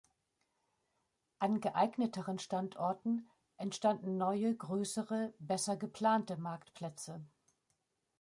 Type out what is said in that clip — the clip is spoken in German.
An geeigneteren Standorten entstanden neue, größere, besser geplante Marktplätze.